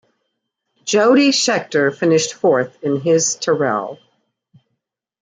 Jody Scheckter finished fourth in his Tyrrell.